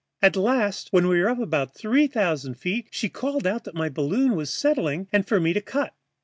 At last, when we were up about three thousand feet, she called out that my balloon was settling and for me to cut.